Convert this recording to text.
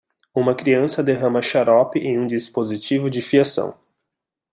Uma criança derrama xarope em um dispositivo de fiação